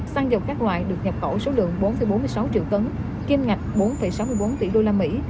xăng dầu các loại được nhập khẩu số lượng bốn bốn mươi sáu triệu tấn kiêm ngạch bốn sáu mươi bốn tỷ đô la mỹ